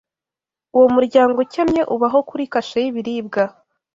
Uwo muryango ukennye ubaho kuri kashe y'ibiribwa.